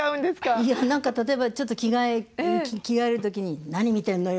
いや何か例えばちょっと着替える時に「何見てんのよ！